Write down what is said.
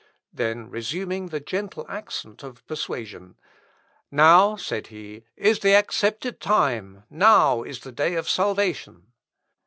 Then resuming the gentle accent of persuasion, "Now," said he, "is the accepted time, now is the day of salvation."